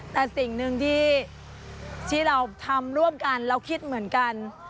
แต่สิ่งหนึ่งที่เราทำร่วมกันเราคิดเหมือนกัน